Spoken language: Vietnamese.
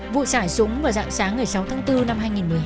vụ xảy súng vào dạo sáng ngày sáu tháng bốn năm hai nghìn một mươi hai